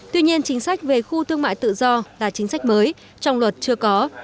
tuy nhiên chính sách về khu thương mại tự do là chính sách mới trong luật chưa có